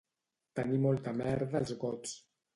Tenir molta merda als gots